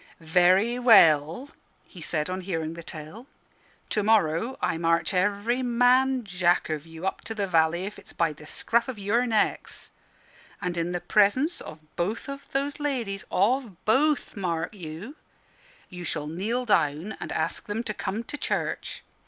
"Very well," he said, on hearing the tale; "to morrow I march every man Jack of you up to the valley, if it's by the scruff of your necks, and in the presence of both of those ladies of both, mark you you shall kneel down and ask them to come to church.